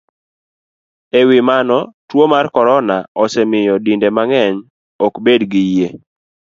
E wi mano, tuo mar corona osemiyo dinde mang'eny ok bed gi yie,